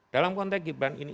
dalam konteks gibran ini